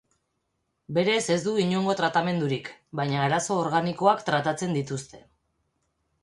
Berez ez du inongo tratamendurik, baina arazo organikoak tratatzen dituzte.